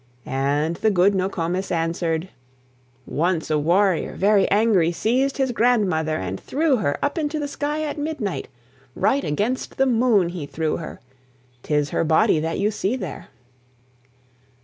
And the good Nokomis answered: "Once a warrior, very angry, Seized his grandmother, and threw her Up into the sky at midnight; Right against the moon he threw her; 'Tis her body that you see there."